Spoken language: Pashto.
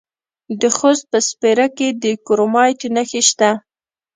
د خوست په سپیره کې د کرومایټ نښې شته.